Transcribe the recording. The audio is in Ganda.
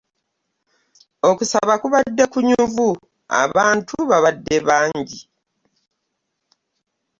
Okusaba kubadde kunyuvu, abantu babadde bangi.